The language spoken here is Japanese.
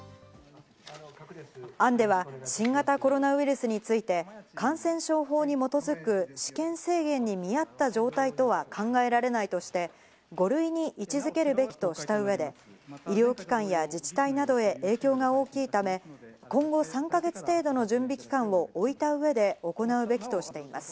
案では新型コロナウイルスについて感染症法に基づく私権制限に見合った状態とは考えられないとして、５類に位置づけるべきとした上で、医療機関や自治体などへ影響が大きいため、今後３か月程度の準備期間をおいた上で行うべきとしています。